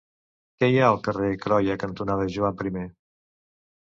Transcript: Què hi ha al carrer Croia cantonada Joan I?